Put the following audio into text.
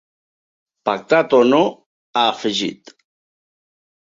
Pactat o no, ha afegit.